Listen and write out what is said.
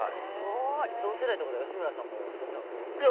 同世代ってことは吉村さんももちろんそうですよね。